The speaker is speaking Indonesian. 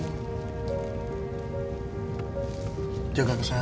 kamu jaga kesehatan ya